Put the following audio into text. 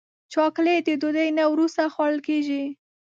چاکلېټ د ډوډۍ نه وروسته خوړل کېږي.